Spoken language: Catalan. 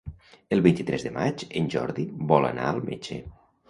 El vint-i-tres de maig en Jordi vol anar al metge.